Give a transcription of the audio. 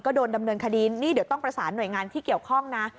ก็โดนดำเนินคดีนี่เดี๋ยวต้องประสานหน่วยงานที่เกี่ยวข้องนะ